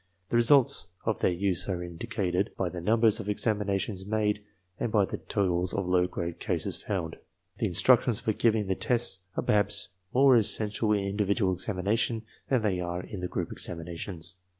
The results of their use are indicated by the numbers of examinations made and by the totals of low grade cases found. The instructions for giving the tests are perhaps more essential in individual examination than they are in the group examinations.